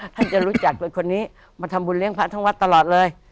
ท่านจะรู้จักเป็นคนนี้มาทำบุญเลี้ยงพระทั้งวัดตลอดเลย